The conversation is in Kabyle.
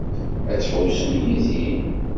Ad tḥewwsem yid-i?